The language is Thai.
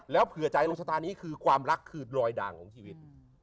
เผื่อใจดวงชะตานี้คือความรักคือรอยด่างของชีวิต